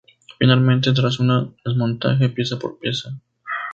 Finalmente tras un desmontaje pieza por pieza.